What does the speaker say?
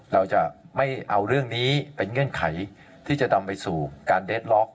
เราจะไม่เอาเรื่องนี้เป็นเงื่อนไขที่จะนำไปสู่การเดทล็อก